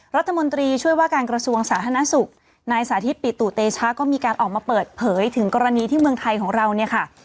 รัฐมนตรีช่วยว่าการกระทรวงสาธารณสุขนายสาธิตปิตุเตชะก็มีการออกมาเปิดเผยถึงกรณีที่เมืองไทยของเราเนี่ยค่ะ